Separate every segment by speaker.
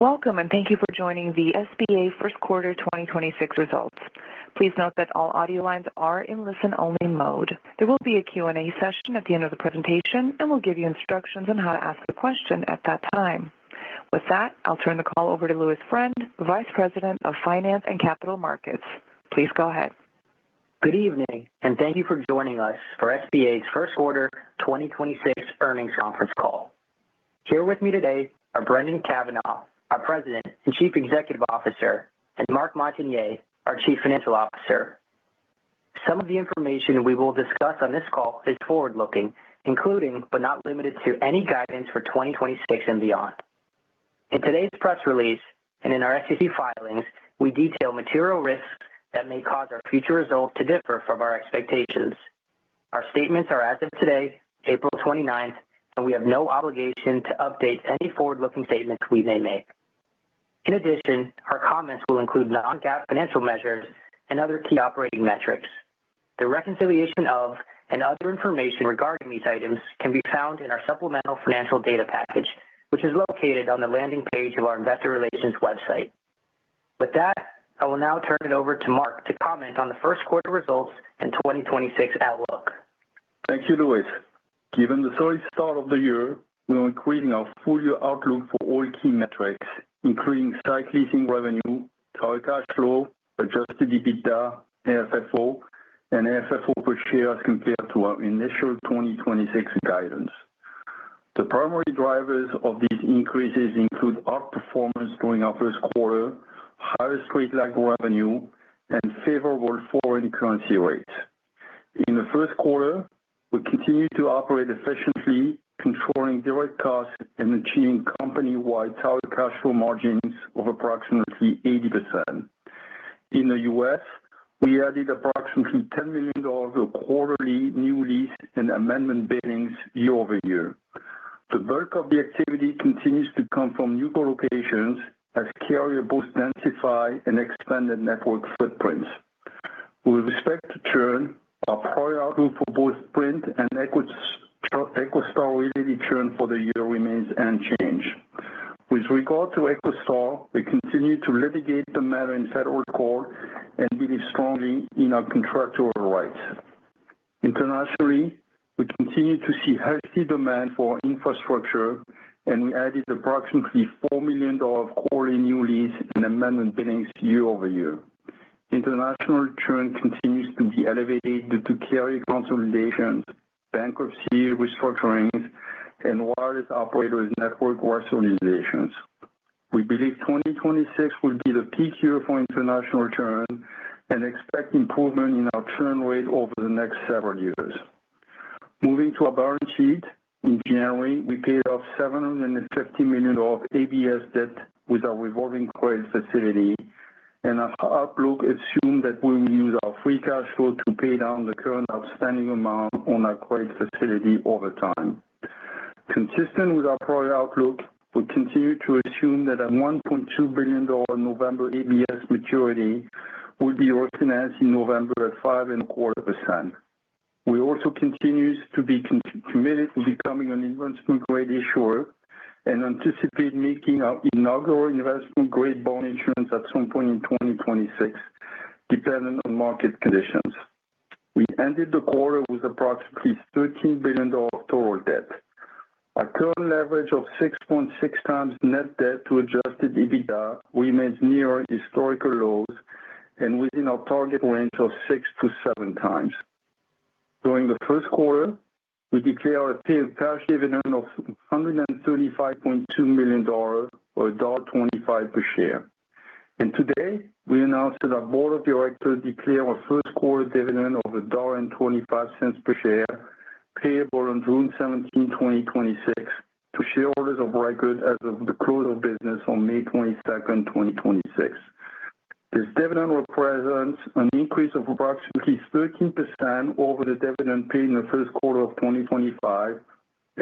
Speaker 1: Welcome. Thank you for joining the SBA First Quarter 2026 Results. Please note that all audio lines are in listen-only mode. There will be a Q&A session at the end of the presentation, and we'll give you instructions on how to ask a question at that time. With that, I'll turn the call over to Louis Friend, Vice President of Finance and Capital Markets. Please go ahead.
Speaker 2: Good evening. Thank you for joining us for SBA's First Quarter 2026 Earnings Conference Call. Here with me today are Brendan Cavanagh, our President and Chief Executive Officer, and Marc Montagner, our Chief Financial Officer. Some of the information we will discuss on this call is forward-looking, including but not limited to, any guidance for 2026 and beyond. In today's press release and in our SEC filings, we detail material risks that may cause our future results to differ from our expectations. Our statements are as of today, April 29th, and we have no obligation to update any forward-looking statements we may make. In addition, our comments will include non-GAAP financial measures and other key operating metrics. The reconciliation of and other information regarding these items can be found in our supplemental financial data package, which is located on the landing page of our investor relations website. With that, I will now turn it over to Marc to comment on the first quarter results and 2026 outlook.
Speaker 3: Thank you, Louis. Given the solid start of the year, we are increasing our full year outlook for all key metrics, including site leasing revenue, Tower Cash Flow, Adjusted EBITDA, AFFO, and AFFO per share as compared to our initial 2026 guidance. The primary drivers of these increases include outperformance during our first quarter, higher street-level revenue, and favorable foreign currency rates. In the first quarter, we continued to operate efficiently, controlling direct costs and achieving company-wide Tower Cash Flow margins of approximately 80%. In the U.S., we added approximately $10 million of quarterly new lease and amendment billings year-over-year. The bulk of the activity continues to come from new collocations as carriers both densify and expand their network footprints. With respect to churn, our priority for both Sprint and EchoStar churn for the year remains unchanged. With regard to EchoStar, we continue to litigate the matter in federal court and believe strongly in our contractual rights. Internationally, we continue to see healthy demand for infrastructure, and we added approximately $4 million of quarterly new lease and amendment billings year-over-year. International churn continues to be elevated due to carrier consolidations, bankruptcy restructurings, and wireless operators network rationalizations. We believe 2026 will be the peak year for international churn and expect improvement in our churn rate over the next several years. Moving to our balance sheet. In January, we paid off $750 million of ABS debt with our revolving credit facility, and our outlook assume that we will use our free cash flow to pay down the current outstanding amount on our credit facility over time. Consistent with our prior outlook, we continue to assume that our $1.2 billion November ABS maturity will be refinanced in November at 5.25%. We also continue to be committed to becoming an investment grade issuer and anticipate making our inaugural investment grade bond issuance at some point in 2026, dependent on market conditions. We ended the quarter with approximately $13 billion total debt. Our current leverage of 6.6x net debt to Adjusted EBITDA remains near historical lows and within our target range of 6x to 7x. During the first quarter, we declare a cash dividend of $135.2 million or $1.25 per share. Today, we announced that our board of directors declare our first quarter dividend of $1.25 per share, payable on June 17, 2026 to shareholders of record as of the close of business on May 22nd, 2026. This dividend represents an increase of approximately 13% over the dividend paid in the first quarter of 2025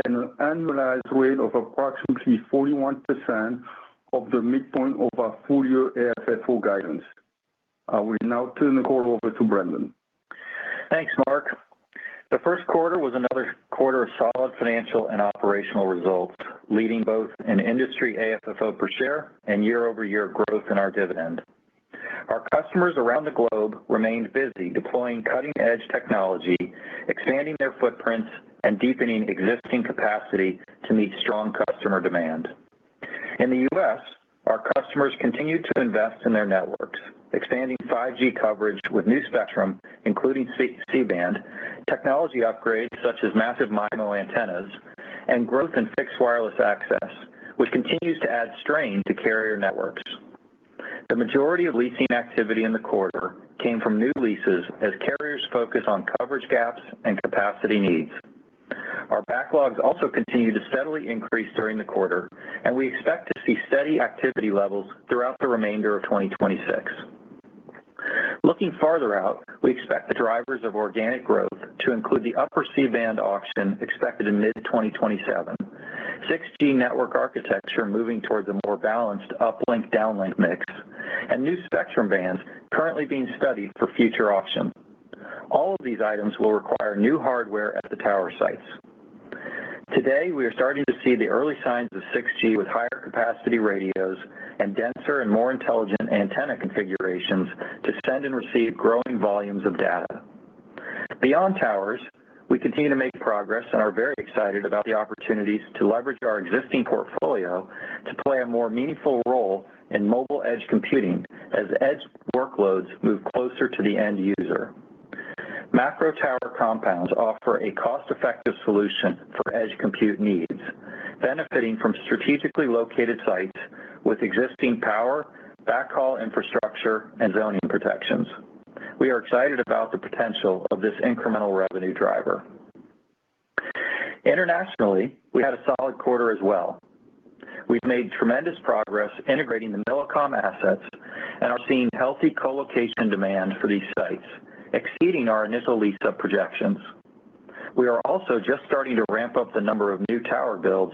Speaker 3: and an annualized rate of approximately 41% of the midpoint of our full year AFFO guidance. I will now turn the call over to Brendan.
Speaker 4: Thanks, Marc. The first quarter was another quarter of solid financial and operational results, leading both an industry AFFO per share and year-over-year growth in our dividend. Our customers around the globe remained busy deploying cutting-edge technology, expanding their footprints, and deepening existing capacity to meet strong customer demand. In the U.S., our customers continued to invest in their networks, expanding 5G coverage with new spectrum, including C-band, technology upgrades such as Massive MIMO antennas, and growth in Fixed Wireless Access, which continues to add strain to carrier networks. The majority of leasing activity in the quarter came from new leases as carriers focus on coverage gaps and capacity needs. Our backlogs also continued to steadily increase during the quarter, and we expect to see steady activity levels throughout the remainder of 2026. Looking farther out, we expect the drivers of organic growth to include the Upper C-band auction expected in mid-2027, 6G network architecture moving towards a more balanced uplink/downlink mix, and new spectrum bands currently being studied for future auction. All of these items will require new hardware at the tower sites. Today, we are starting to see the early signs of 6G with higher capacity radios and denser and more intelligent antenna configurations to send and receive growing volumes of data. Beyond towers, we continue to make progress and are very excited about the opportunities to leverage our existing portfolio to play a more meaningful role in mobile edge computing as edge workloads move closer to the end user. Macro tower compounds offer a cost-effective solution for edge compute needs, benefiting from strategically located sites with existing power, backhaul infrastructure, and zoning protections. We are excited about the potential of this incremental revenue driver. Internationally, we had a solid quarter as well. We've made tremendous progress integrating the Millicom assets and are seeing healthy co-location demand for these sites, exceeding our initial lease-up projections. We are also just starting to ramp up the number of new tower builds,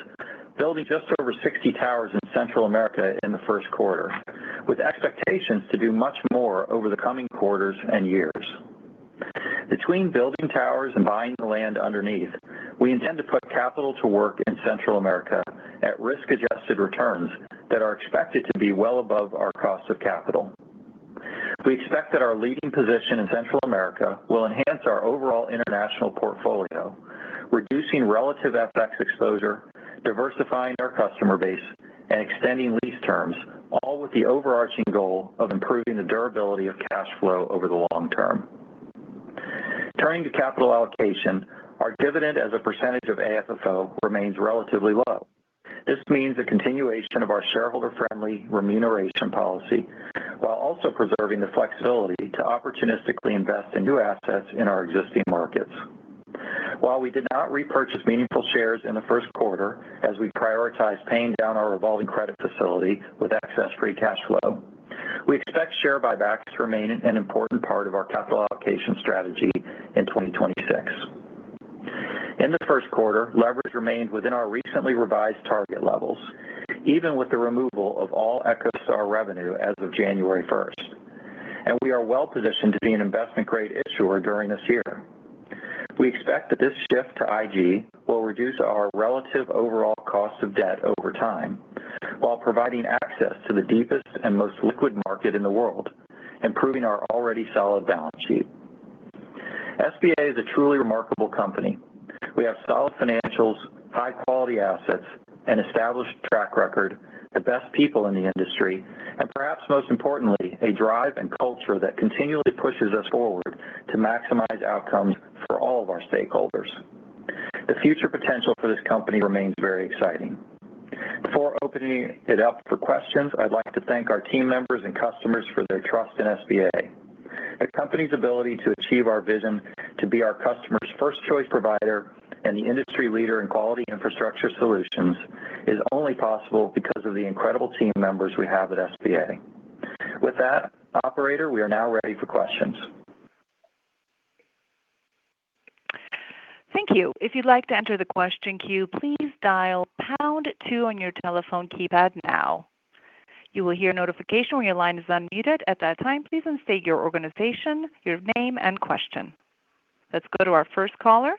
Speaker 4: building just over 60 towers in Central America in the first quarter, with expectations to do much more over the coming quarters and years. Between building towers and buying the land underneath, we intend to put capital to work in Central America at risk-adjusted returns that are expected to be well above our cost of capital. We expect that our leading position in Central America will enhance our overall international portfolio, reducing relative FX exposure, diversifying our customer base, and extending lease terms, all with the overarching goal of improving the durability of cash flow over the long term. Turning to capital allocation, our dividend as a percentage of AFFO remains relatively low. This means a continuation of our shareholder-friendly remuneration policy, while also preserving the flexibility to opportunistically invest in new assets in our existing markets. While we did not repurchase meaningful shares in the first quarter as we prioritized paying down our revolving credit facility with excess free cash flow, we expect share buybacks to remain an important part of our capital allocation strategy in 2026. In the first quarter, leverage remained within our recently revised target levels, even with the removal of all EchoStar revenue as of January 1st. We are well positioned to be an investment grade issuer during this year. We expect that this shift to IG will reduce our relative overall cost of debt over time while providing access to the deepest and most liquid market in the world, improving our already solid balance sheet. SBA is a truly remarkable company. We have solid financials, high-quality assets, an established track record, the best people in the industry, and perhaps most importantly, a drive and culture that continually pushes us forward to maximize outcomes for all of our stakeholders. The future potential for this company remains very exciting. Before opening it up for questions, I'd like to thank our team members and customers for their trust in SBA. The company's ability to achieve our vision to be our customers' first choice provider and the industry leader in quality infrastructure solutions is only possible because of the incredible team members we have at SBA. With that, operator, we are now ready for questions.
Speaker 1: Thank you. If you'd like to enter the question queue, please dial pound two on your telephone keypad now. You will hear notification when your line is unmuted. At that time, please state your organization, your name, and question. Let's go to our first caller.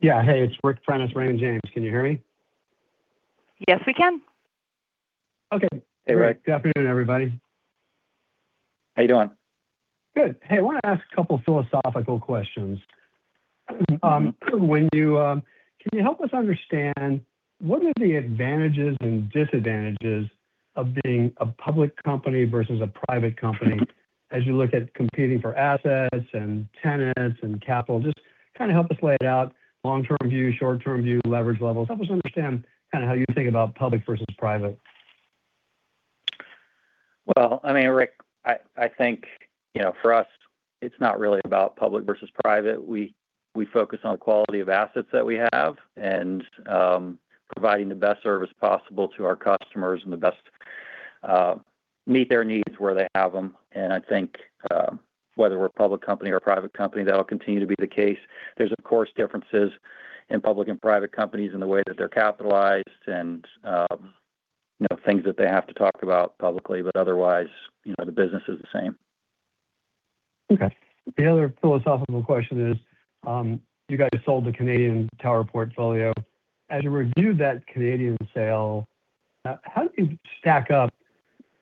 Speaker 5: Yeah. Hey, it's Ric Prentiss, Raymond James. Can you hear me?
Speaker 1: Yes, we can.
Speaker 5: Okay.
Speaker 4: Hey, Ric.
Speaker 5: Good afternoon, everybody.
Speaker 4: How you doing?
Speaker 5: Good. Hey, I wanna ask a couple philosophical questions. Can you help us understand what are the advantages and disadvantages of being a public company versus a private company as you look at competing for assets and tenants and capital? Just kinda help us lay it out, long-term view, short-term view, leverage levels. Help us understand kinda how you think about public versus private.
Speaker 4: Well, I mean, Ric, I think, you know, for us, it's not really about public versus private. We focus on the quality of assets that we have and providing the best service possible to our customers and the best meet their needs where they have them. I think whether we're a public company or private company, that'll continue to be the case. There's, of course, differences in public and private companies in the way that they're capitalized and, you know, things that they have to talk about publicly, but otherwise, you know, the business is the same.
Speaker 5: Okay. The other philosophical question is, you guys sold the Canadian tower portfolio. As you review that Canadian sale, how do you stack up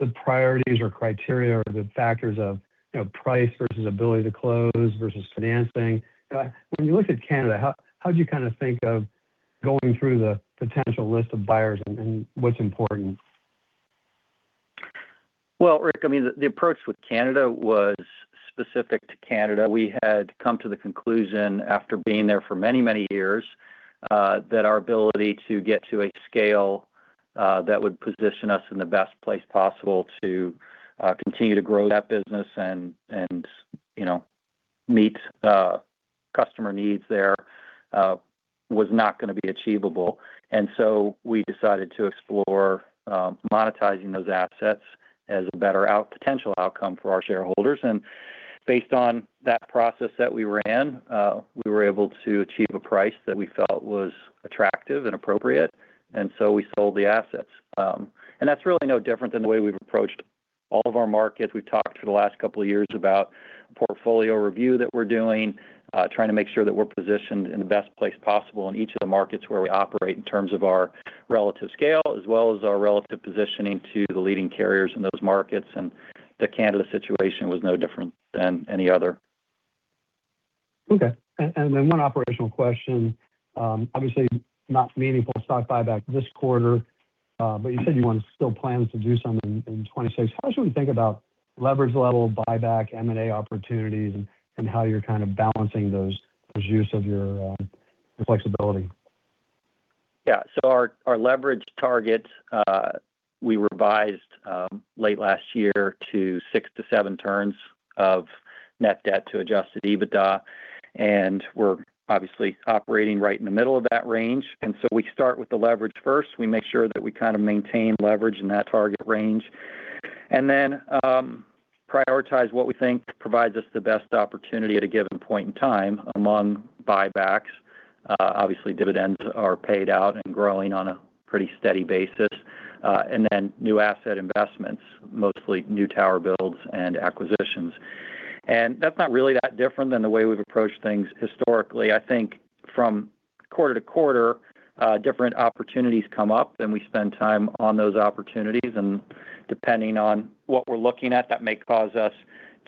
Speaker 5: the priorities or criteria or the factors of, you know, price versus ability to close versus financing? When you look at Canada, how do you kind of think of going through the potential list of buyers and what's important?
Speaker 4: Well, Ric, I mean, the approach with Canada was specific to Canada. We had come to the conclusion after being there for many years, that our ability to get to a scale that would position us in the best place possible to continue to grow that business and, you know, meet customer needs there, was not gonna be achievable. We decided to explore monetizing those assets as a better potential outcome for our shareholders. Based on that process that we ran, we were able to achieve a price that we felt was attractive and appropriate, we sold the assets. That's really no different than the way we've approached all of our markets. We've talked for the last couple of years about portfolio review that we're doing, trying to make sure that we're positioned in the best place possible in each of the markets where we operate in terms of our relative scale, as well as our relative positioning to the leading carriers in those markets. The Canada situation was no different than any other.
Speaker 5: Okay. One operational question. Obviously not meaningful stock buyback this quarter, but you said you still plan to do some in 2026. How should we think about leverage level buyback, M&A opportunities, and how you're kind of balancing those use of your flexibility?
Speaker 4: Yeah. Our leverage target, we revised late last year to six to seven turns of net debt to Adjusted EBITDA, and we're obviously operating right in the middle of that range. We start with the leverage first. We make sure that we kind of maintain leverage in that target range. Then prioritize what we think provides us the best opportunity at a given point in time among buybacks. Obviously dividends are paid out and growing on a pretty steady basis. New asset investments, mostly new tower builds and acquisitions. That's not really that different than the way we've approached things historically. I think from quarter to quarter, different opportunities come up, and we spend time on those opportunities. Depending on what we're looking at, that may cause us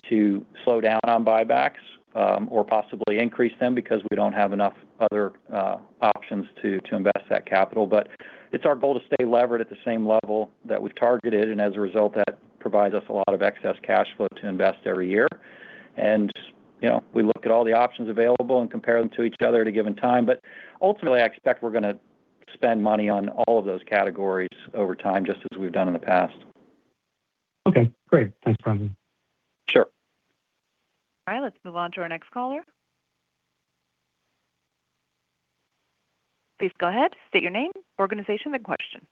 Speaker 4: to slow down on buybacks, or possibly increase them because we don't have enough other options to invest that capital. It's our goal to stay levered at the same level that we've targeted, and as a result, that provides us a lot of excess cash flow to invest every year. You know, we look at all the options available and compare them to each other at a given time. Ultimately, I expect we're gonna spend money on all of those categories over time, just as we've done in the past.
Speaker 5: Okay, great. Thanks, Brendan.
Speaker 4: Sure.
Speaker 1: All right, let's move on to our next caller. Please go ahead. State your name, organization, then question.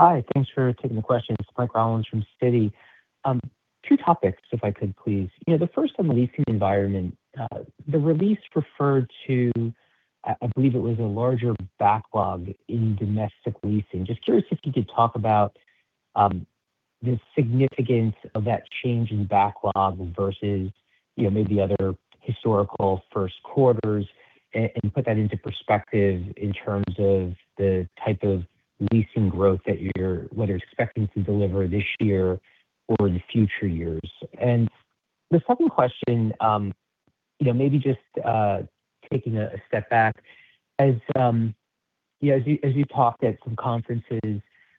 Speaker 6: Hi, thanks for taking the question. It's Mike Rollins from Citi. two topics, if I could please. You know, the first on the leasing environment. The release referred to, I believe it was a larger backlog in domestic leasing. Just curious if you could talk about the significance of that change in backlog versus, you know, maybe other historical first quarters and put that into perspective in terms of the type of leasing growth that you're expecting to deliver this year or in future years. The second question, you know, maybe just taking a step back. As, you know, as you talked at some conferences,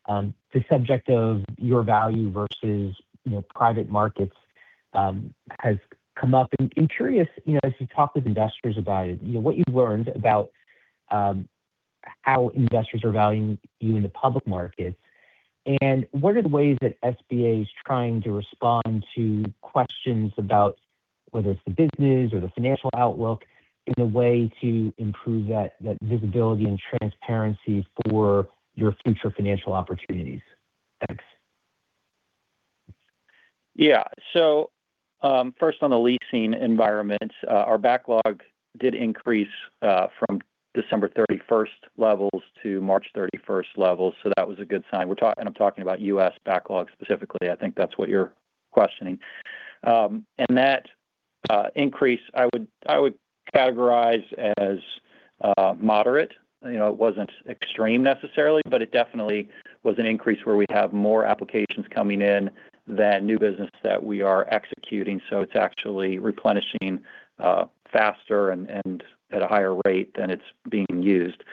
Speaker 6: the subject of your value versus, you know, private markets, has come up. I'm curious, you know, as you talk with investors about it, you know, what you've learned about how investors are valuing you in the public markets. What are the ways that SBA is trying to respond to questions about whether it's the business or the financial outlook in a way to improve that visibility and transparency for your future financial opportunities? Thanks.
Speaker 4: First on the leasing environment, our backlog did increase from December 31st levels to March 31st levels. That was a good sign. I'm talking about U.S. backlog specifically. I think that's what you're questioning. That increase, I would categorize as moderate. You know, it wasn't extreme necessarily, it definitely was an increase where we have more applications coming in than new business that we are executing. It's actually replenishing faster and at a higher rate than it's being used.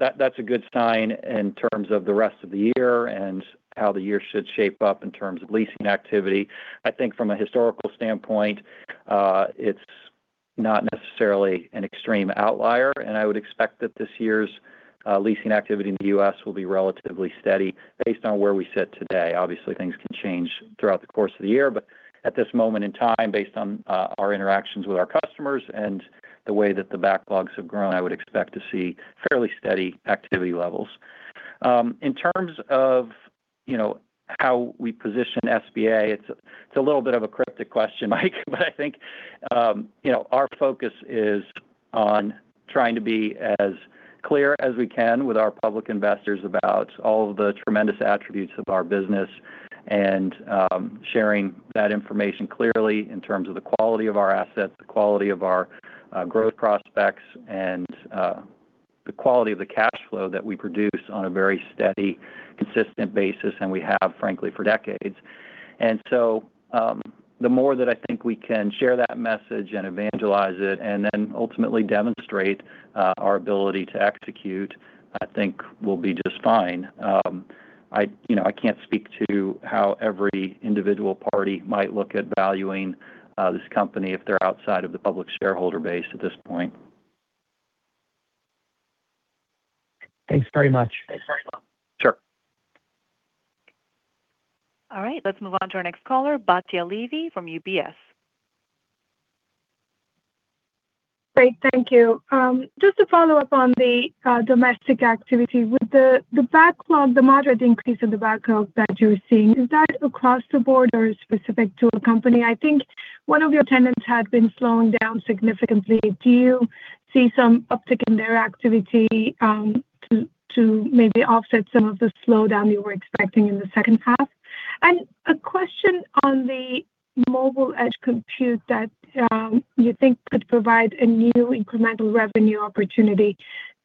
Speaker 4: That's a good sign in terms of the rest of the year and how the year should shape up in terms of leasing activity. I think from a historical standpoint, it's not necessarily an extreme outlier, and I would expect that this year's leasing activity in the U.S. will be relatively steady based on where we sit today. Obviously, things can change throughout the course of the year, but at this moment in time, based on our interactions with our customers and the way that the backlogs have grown, I would expect to see fairly steady activity levels. In terms of, you know, how we position SBA, it's a little bit of a cryptic question, Mike, but I think, you know, our focus is on trying to be as clear as we can with our public investors about all of the tremendous attributes of our business and, sharing that information clearly in terms of the quality of our assets, the quality of our growth prospects, and the quality of the cash flow that we produce on a very steady, consistent basis, and we have, frankly, for decades. The more that I think we can share that message and evangelize it and then ultimately demonstrate our ability to execute, I think we'll be just fine. I, you know, I can't speak to how every individual party might look at valuing this company if they're outside of the public shareholder base at this point.
Speaker 6: Thanks very much.
Speaker 4: Sure.
Speaker 1: All right, let's move on to our next caller, Batya Levi from UBS.
Speaker 7: Great. Thank you. Just to follow up on the domestic activity. With the backlog, the moderate increase in the backlog that you're seeing, is that across the board or specific to a company? I think one of your tenants had been slowing down significantly. Do you see some uptick in their activity to maybe offset some of the slowdown you were expecting in the second half? A question on the Mobile Edge Compute that you think could provide a new incremental revenue opportunity.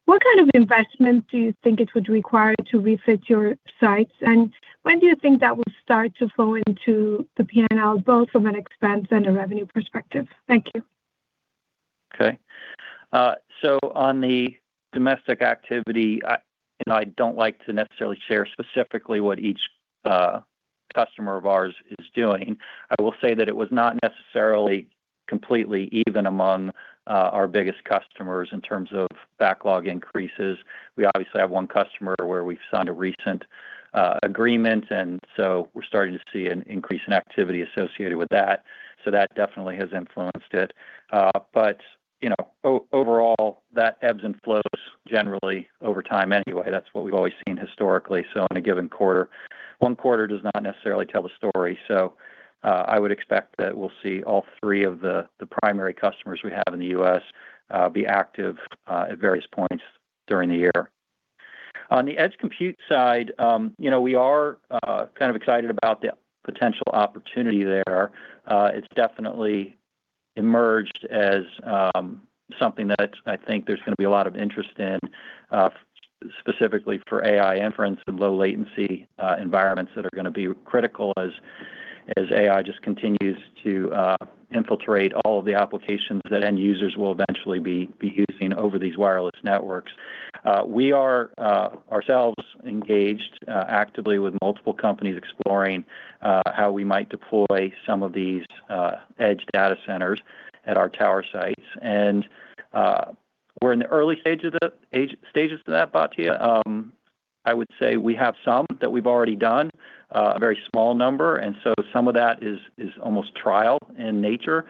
Speaker 7: What kind of investment do you think it would require to refit your sites, and when do you think that will start to flow into the P&L, both from an expense and a revenue perspective? Thank you.
Speaker 4: On the domestic activity, I don't like to necessarily share specifically what each customer of ours is doing. I will say that it was not necessarily completely even among our biggest customers in terms of backlog increases. We obviously have one customer where we've signed a recent agreement, we're starting to see an increase in activity associated with that. That definitely has influenced it. You know, overall, that ebbs and flows generally over time anyway. That's what we've always seen historically. In a given quarter, one quarter does not necessarily tell the story. I would expect that we'll see all three of the primary customers we have in the U.S. be active at various points during the year. On the Edge Compute side, you know, we are kind of excited about the potential opportunity there. It's definitely emerged as something that I think there's gonna be a lot of interest in, specifically for AI inference and low latency environments that are gonna be critical as AI just continues to infiltrate all of the applications that end users will eventually be using over these wireless networks. We are ourselves engaged actively with multiple companies exploring how we might deploy some of these edge data centers at our tower sites. We're in the early stage of the stages to that, Batya. I would say we have some that we've already done, a very small number. Some of that is almost trial in nature.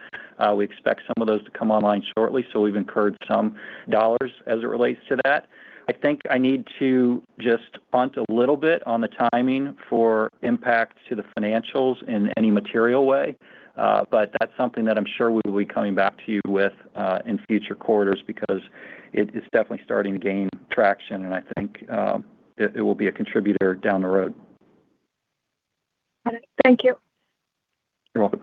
Speaker 4: We expect some of those to come online shortly. We've incurred some dollars as it relates to that. I think I need to just punt a little bit on the timing for impact to the financials in any material way. That's something that I'm sure we will be coming back to you with in future quarters because it is definitely starting to gain traction, and I think, it will be a contributor down the road.
Speaker 7: Got it. Thank you.
Speaker 4: You're welcome.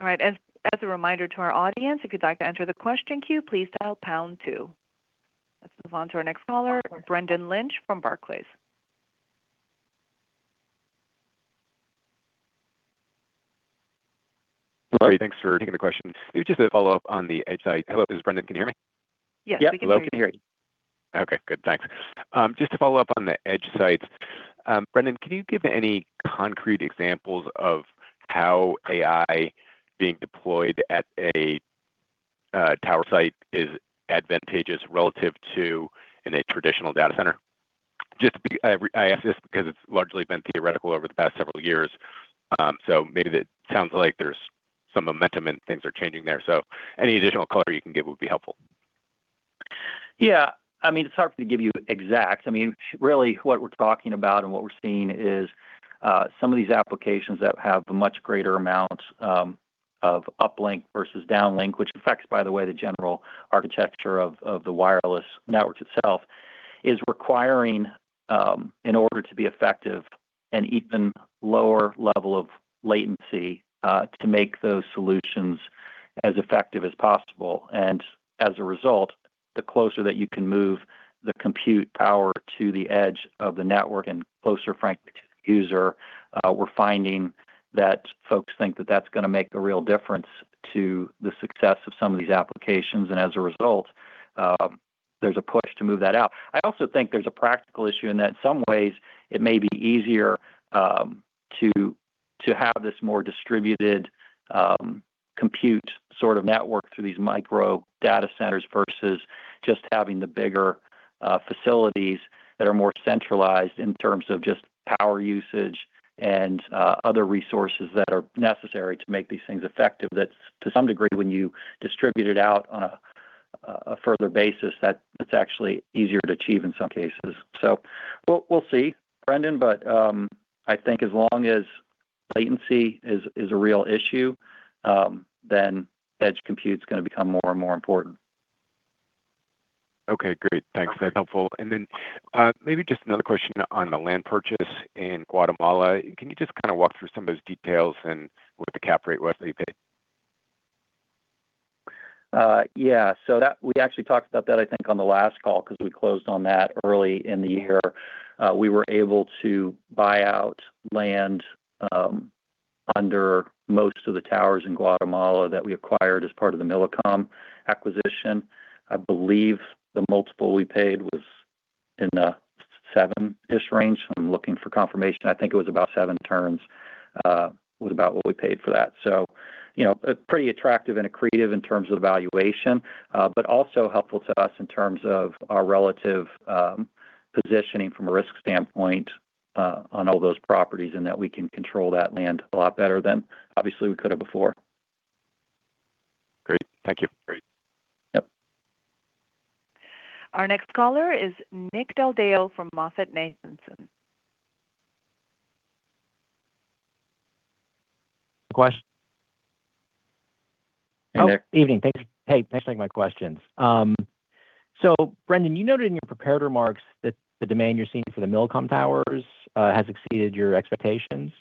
Speaker 1: All right. As a reminder to our audience, if you'd like to enter the question queue, please dial pound two. Let's move on to our next caller, Brendan Lynch from Barclays.
Speaker 8: Sorry. Thanks for taking the question. Maybe just a follow-up on the edge site. Hello, this is Brendan. Can you hear me?
Speaker 1: Yes, we can hear you.
Speaker 4: Yep. We can hear you.
Speaker 8: Okay, good. Thanks. Just to follow up on the edge sites, Brendan, can you give any concrete examples of how AI being deployed at a tower site is advantageous relative to in a traditional data center? I ask this because it's largely been theoretical over the past several years, so maybe it sounds like there's some momentum and things are changing there. Any additional color you can give would be helpful.
Speaker 4: Yeah. I mean, it's hard for me to give you exact. I mean, really what we're talking about and what we're seeing is some of these applications that have much greater amounts of uplink versus downlink, which affects, by the way, the general architecture of the wireless networks itself, is requiring in order to be effective, an even lower level of latency to make those solutions as effective as possible. As a result, the closer that you can move the compute power to the edge of the network and closer, frankly, to the user, we're finding that folks think that that's gonna make a real difference to the success of some of these applications. As a result, there's a push to move that out. I also think there's a practical issue in that in some ways it may be easier to have this more distributed compute sort of network through these micro data centers versus just having the bigger facilities that are more centralized in terms of just power usage and other resources that are necessary to make these things effective. That to some degree, when you distribute it out on a further basis, that it's actually easier to achieve in some cases. We'll see, Brendan, but I think as long as latency is a real issue, then edge compute's gonna become more and more important.
Speaker 8: Okay. Great. Thanks. That's helpful. Then, maybe just another question on the land purchase in Guatemala. Can you just kind of walk through some of those details and what the cap rate was that you paid?
Speaker 4: Yeah. We actually talked about that I think on the last call, 'cause we closed on that early in the year. We were able to buy out land under most of the towers in Guatemala that we acquired as part of the Millicom acquisition. I believe the multiple we paid was in the seven-ish range. I'm looking for confirmation. I think it was about seven turns was about what we paid for that. You know, a pretty attractive and accretive in terms of valuation, but also helpful to us in terms of our relative positioning from a risk standpoint. On all those properties, that we can control that land a lot better than obviously we could have before.
Speaker 8: Great. Thank you. Great.
Speaker 4: Yep.
Speaker 1: Our next caller is Nick Del Deo from MoffettNathanson.
Speaker 9: Quest-
Speaker 4: Hey there.
Speaker 9: Evening. Thank you. Hey, thanks for taking my questions. Brendan, you noted in your prepared remarks that the demand you're seeing for the Millicom towers, has exceeded your expectations.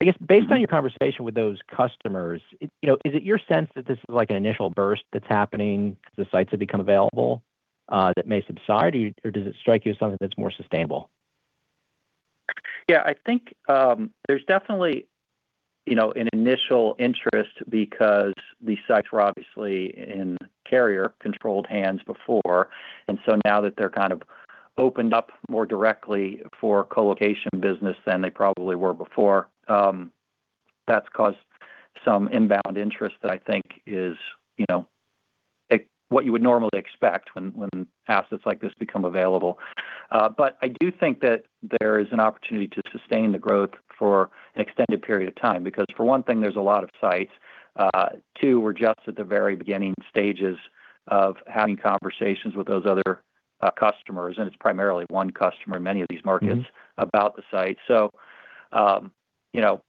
Speaker 9: I guess based on your conversation with those customers, you know, is it your sense that this is, like, an initial burst that's happening as the sites have become available, that may subside? Does it strike you as something that's more sustainable?
Speaker 4: Yeah, I think, there's definitely, you know, an initial interest because these sites were obviously in carrier-controlled hands before. Now that they're kind of opened up more directly for co-location business than they probably were before, that's caused some inbound interest that I think is, you know, what you would normally expect when assets like this become available. I do think that there is an opportunity to sustain the growth for an extended period of time because for one thing, there's a lot of sites. Two, we're just at the very beginning stages of having conversations with those other customers, and it's primarily one customer in many of these markets.
Speaker 9: Mm-hmm
Speaker 4: about the site. You know,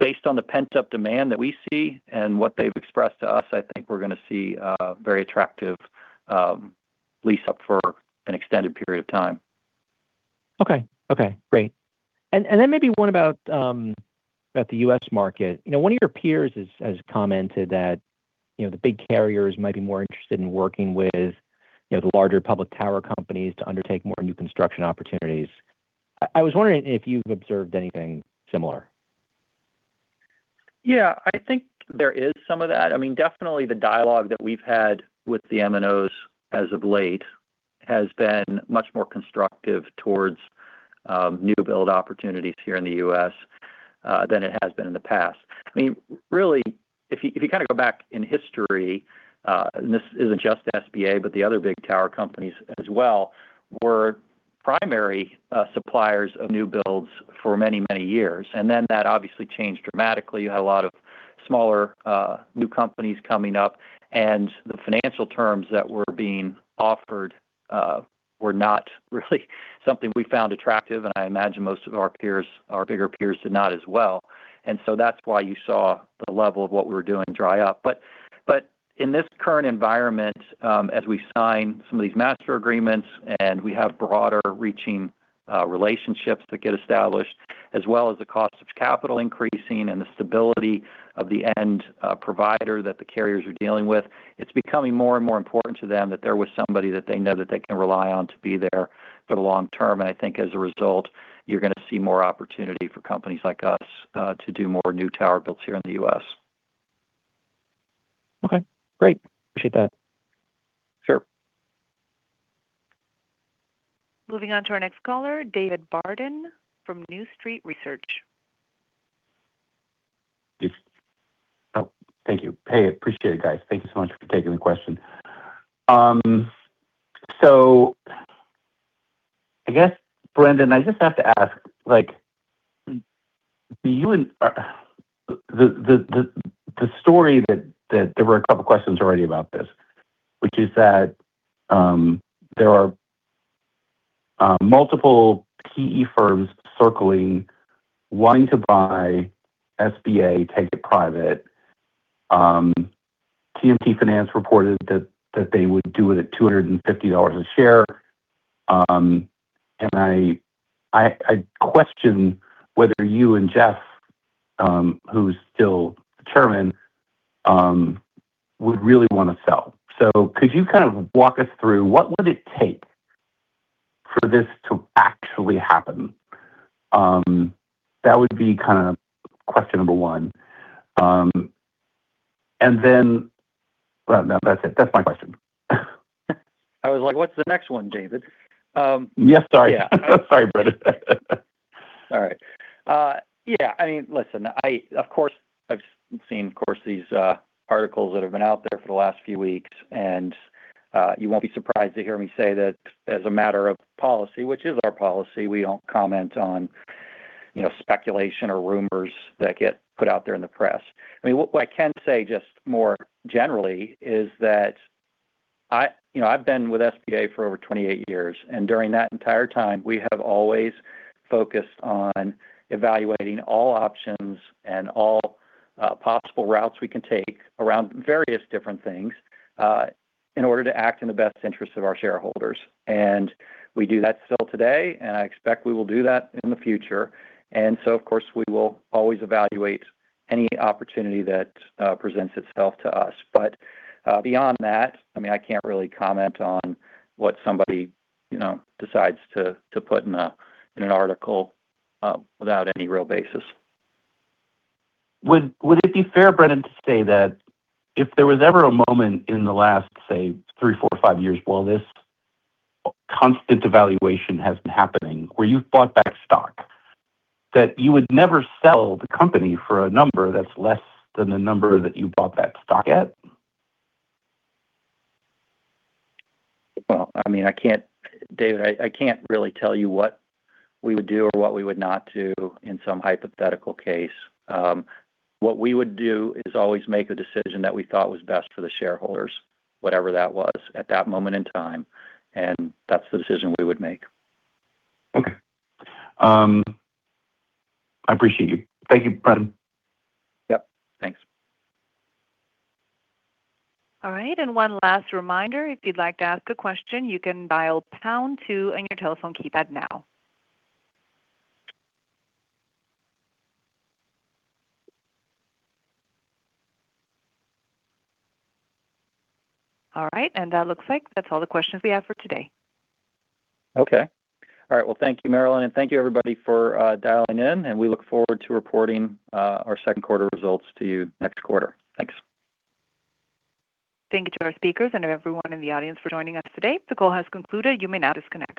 Speaker 4: based on the pent-up demand that we see and what they've expressed to us, I think we're gonna see a very attractive lease-up for an extended period of time.
Speaker 9: Okay. Okay, great. Then maybe one about the U.S. market. You know, one of your peers has commented that, you know, the big carriers might be more interested in working with, you know, the larger public tower companies to undertake more new construction opportunities. I was wondering if you've observed anything similar.
Speaker 4: Yeah, I think there is some of that. I mean, definitely the dialogue that we've had with the MNOs as of late has been much more constructive towards new build opportunities here in the U.S. than it has been in the past. I mean, really, if you, if you kinda go back in history, and this isn't just SBA, but the other big tower companies as well, were primary suppliers of new builds for many, many years, and then that obviously changed dramatically. You had a lot of smaller new companies coming up, and the financial terms that were being offered were not really something we found attractive, and I imagine most of our peers, our bigger peers, did not as well. That's why you saw the level of what we were doing dry up. In this current environment, as we sign some of these master agreements and we have broader reaching, relationships that get established, as well as the cost of capital increasing and the stability of the end, provider that the carriers are dealing with, it's becoming more and more important to them that there was somebody that they know that they can rely on to be there for the long term. I think as a result, you're gonna see more opportunity for companies like us, to do more new tower builds here in the U.S.
Speaker 9: Okay, great. Appreciate that.
Speaker 4: Sure.
Speaker 1: Moving on to our next caller, David Barden from New Street Research.
Speaker 10: Oh, thank you. Hey, appreciate it, guys. Thank you so much for taking the question. I guess, Brendan, I just have to ask, like, do you and The story that there were a couple questions already about this, which is that there are multiple PE firms circling, wanting to buy SBA, take it private. TMT Finance reported that they would do it at $250 a share. I question whether you and Jeff, who's still determined, would really wanna sell. Could you kind of walk us through what would it take for this to actually happen? That would be kind of question number one. That's it. That's my question.
Speaker 4: I was like, "What's the next one, David?
Speaker 10: Yes. Sorry.
Speaker 4: Yeah.
Speaker 10: Sorry, Brendan.
Speaker 4: It's all right. Yeah, I mean, listen, I've seen, of course, these articles that have been out there for the last few weeks. You won't be surprised to hear me say that as a matter of policy, which is our policy, we don't comment on, you know, speculation or rumors that get put out there in the press. I mean, what I can say just more generally is that, you know, I've been with SBA for over 28 years, and during that entire time, we have always focused on evaluating all options and all possible routes we can take around various different things in order to act in the best interest of our shareholders. We do that still today, and I expect we will do that in the future. Of course, we will always evaluate any opportunity that presents itself to us. Beyond that, I mean, I can't really comment on what somebody, you know, decides to put in an article, without any real basis.
Speaker 10: Would it be fair, Brendan, to say that if there was ever a moment in the last, say, three, four, five years while this constant evaluation has been happening where you've bought back stock, that you would never sell the company for a number that's less than the number that you bought that stock at?
Speaker 4: Well, I mean, David, I can't really tell you what we would do or what we would not do in some hypothetical case. What we would do is always make the decision that we thought was best for the shareholders, whatever that was at that moment in time. That's the decision we would make.
Speaker 10: Okay. I appreciate you. Thank you, Brendan.
Speaker 4: Yep. Thanks.
Speaker 1: All right, one last reminder. If you'd like to ask a question, you can dial pound two on your telephone keypad now. All right, that looks like that's all the questions we have for today.
Speaker 4: Okay. All right. Well, thank you, Marilyn. Thank you everybody for dialing in. We look forward to reporting our second quarter results to you next quarter. Thanks.
Speaker 1: Thank you to our speakers and everyone in the audience for joining us today. The call has concluded. You may now disconnect.